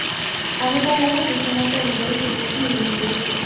আমি তার লেখা চিত্রনাট্য অনুযায়ী সিনেমাটি নির্মাণ করেছি।